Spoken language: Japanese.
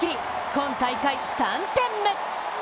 今大会３点目。